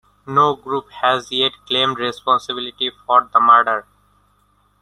No group has yet claimed responsibility for the murder.